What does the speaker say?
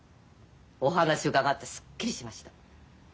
お話伺ってすっきりしました。